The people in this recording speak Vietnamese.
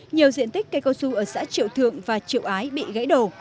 nhiều diện tích cây cao su ở xã triệu thượng và triệu ái bị gãy đổ